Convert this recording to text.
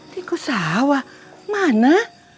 tikus sawah mana